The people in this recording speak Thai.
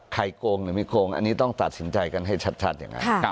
โกงหรือไม่โกงอันนี้ต้องตัดสินใจกันให้ชัดอย่างนั้น